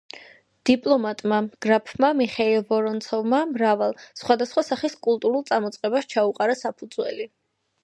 დიპლომატმა გრაფმა მიხეილ ვორონცოვმა მრავალ, სხვადასხვა სახის კულტურულ წამოწყებას ჩაუყარა საფუძველი.